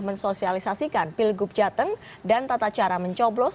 mensosialisasikan pilgub jateng dan tata cara mencoblos